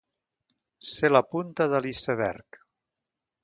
Ser la punta de l'iceberg.